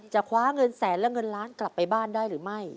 คว้าเงินแสนและเงินล้านกลับไปบ้านได้หรือไม่